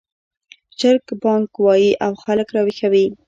چرګ بانګ وايي او خلک راویښوي